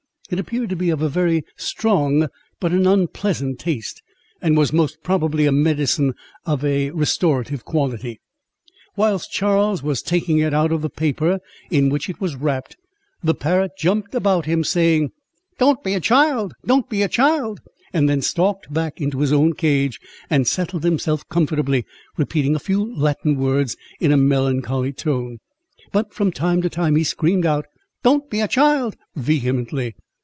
It appeared to be of a very strong, but an unpleasant taste, and was most probably a medicine of a restorative quality. Whilst Charles was taking it out of the paper in which it was wrapt, the parrot jumped about him, saying—"Don't be a child," "Don't be a child," and then stalked back into his own cage, and settled himself comfortably, repeating a few Latin words, in a melancholy tone; but from time to time he screamed out—"Don't be a child," vehemently.